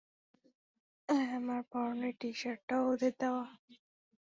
হ্যাঁ, আমার পরনের টি-শার্টটাও ওদের দেয়া।